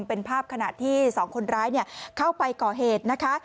เป็นภาพขนาดที่๒คนร้ายเนี่ยเข้าไปก่อเหตุนะฮะ